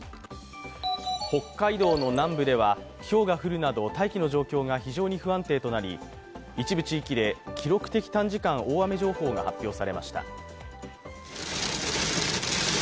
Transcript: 北海道の南部ではひょうが降るなど大気の状態が非常に不安定となり一部地域で記録的短時間大雨情報が発表されました。